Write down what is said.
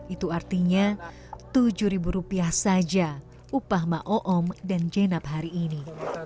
itu artinya tujuh ribu rupiah saja upah ⁇ oom ⁇ dan jenab hari ini